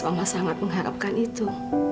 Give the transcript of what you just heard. mama sangat mengharapkan itu